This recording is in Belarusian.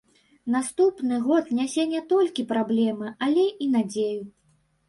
Наступны год нясе не толькі праблемы, але і надзею.